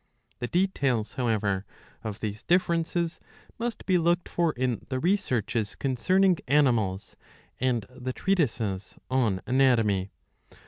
The details, however, of these differences must be looked for in the Researches concerning Animals and the treatises on Anatomy.